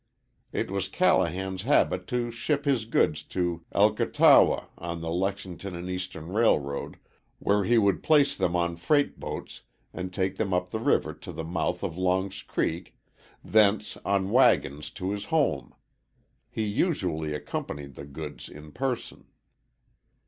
It was Callahan's habit to ship his goods to Elkatawa, on the Lexington & Eastern Railroad, where he would place them on freight boats and take them up the river to the mouth of Long's Creek, thence on wagons to his home. He usually accompanied the goods in person.